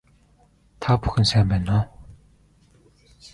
Та бүхэн сайн байна уу